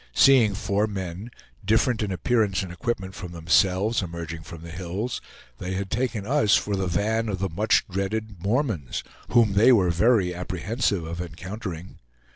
Seeing four men, different in appearance and equipment from themselves, emerging from the hills, they had taken us for the van of the much dreaded Mormons, whom they were very apprehensive of encountering.